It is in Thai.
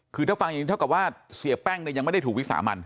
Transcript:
คือถ้าฟังอย่างนี้เท่ากับว่าเสียแป้งเนี่ยยังไม่ได้ถูกวิสามัน